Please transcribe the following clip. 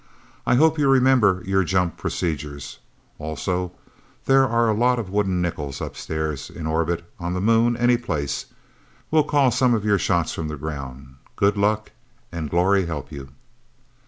I hope you remember your jump procedures. Also that there are a lot of wooden nickels Upstairs in orbit, on the Moon, anyplace. We'll call some of your shots from the ground. Good luck and Glory help you..."